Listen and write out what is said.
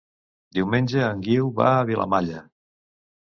Diumenge en Guiu va a Vilamalla.